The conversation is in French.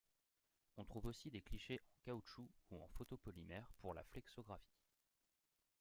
On trouve aussi des clichés en caoutchouc ou en photopolymère pour la flexographie.